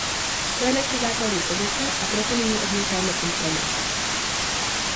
To je naše základní pozice, a proto nyní odmítáme kompromis.